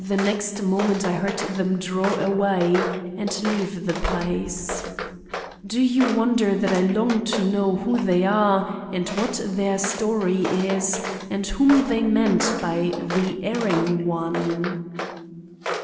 "The next moment I heard them draw away and leave the place. "Do you wonder that I long to know who they are and what their story is and whom they meant by 'the erring one?